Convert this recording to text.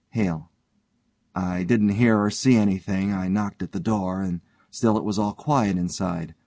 HALE: I didn't hear or see anything; I knocked at the door, and still it was all quiet inside.